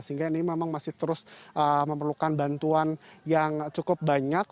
sehingga ini memang masih terus memerlukan bantuan yang cukup banyak